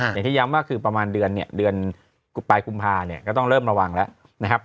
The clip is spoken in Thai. อย่างที่ย้ำว่าคือประมาณเดือนเนี่ยเดือนปลายกุมภาเนี่ยก็ต้องเริ่มระวังแล้วนะครับ